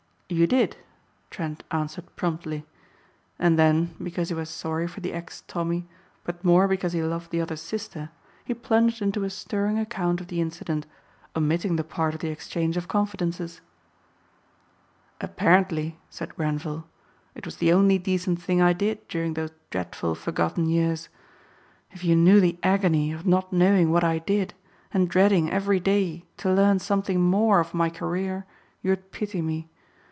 "You did," Trent answered promptly. And then, because he was sorry for the ex "Tommy" but more because he loved the other's sister, he plunged into a stirring account of the incident omitting the part of the exchange of confidences. "Apparently," said Grenvil, "it was the only decent thing I did during those dreadful forgotten years. If you knew the agony of not knowing what I did and dreading every day to learn something more of my career you'd pity me.